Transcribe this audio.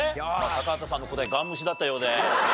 高畑さんの答えガン無視だったようで。